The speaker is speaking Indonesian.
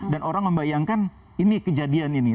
orang membayangkan ini kejadian ini